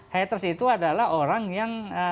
haters itu adalah orang yang